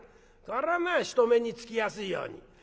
これはまあ人目につきやすいように。